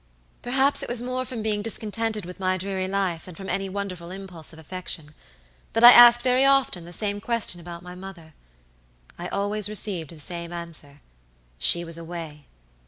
"Perhaps it was more from being discontented with my dreary life than from any wonderful impulse of affection, that I asked very often the same question about my mother. I always received the same answershe was away.